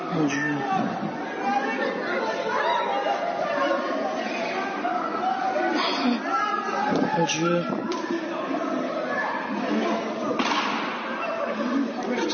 ท่านลองฟังเสียชุด๓ศพบาดเจ็บอีก๑๒นะแต่ดูภาพที่เขาบรรยาการณ์กันไว้ได้